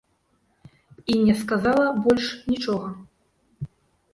І не сказала больш нічога.